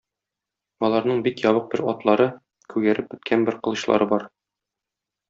Аларның бик ябык бер атлары, күгәреп беткән бер кылычлары бар.